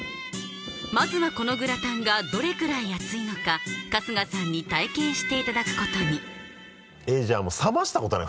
まずはこのグラタンがどれくらい熱いのか春日さんに体験していただくことにえっじゃあもう冷ましたことない？